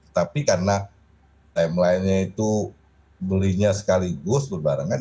tapi karena timeline nya itu belinya sekaligus berbarengan